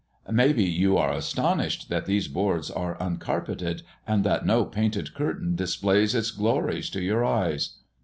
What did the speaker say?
"Maybe you are astonished that these boards are uncarpeted, and that no painted curtain displays its glories to your eyes!"